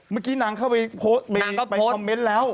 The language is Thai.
เมื่อกี้นางเข้าไปโพสต์ไปคอมเมนต์แล้ว